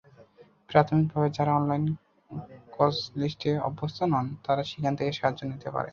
প্রাথমিকভাবে যাঁরা অনলাইন কজলিস্টে অভ্যস্ত নন, তাঁরা সেখান থেকে সাহায্য নিতে পারবেন।